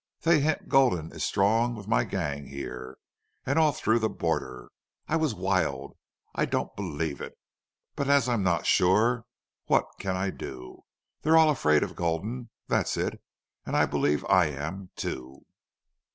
They hint Gulden is strong with my gang here, and all through the border. I was wild. I don't believe it. But as I'm not sure what can I do?... They're all afraid of Gulden. That's it.... And I believe I am, too."